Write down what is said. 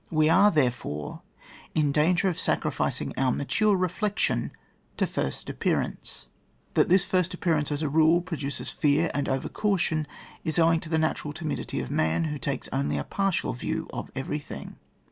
We are, therefore, in danger of sacrificing our mature re flection to first appearances. That this first appearance, as a rule, produces fear and over caution, is owing to the natural timidity of man, who takes only a partial view of everything.